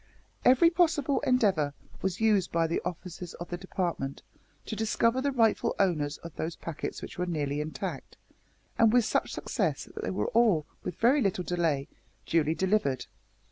Every possible endeavour was used by the officers of the Department to discover the rightful owners of those packets which were nearly intact, and with such success that they were all, with very little delay, duly delivered.